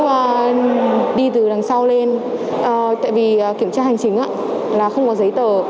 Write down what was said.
và đi từ đằng sau lên tại vì kiểm tra hành chính là không có giấy tờ